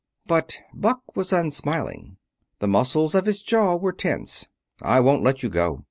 But Buck was unsmiling. The muscles of his jaw were tense. "I won't let you go.